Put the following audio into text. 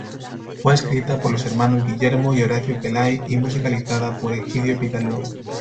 Fue escrita por los hermanos Guillermo y Horacio Pelay y musicalizada por Egidio Pittaluga.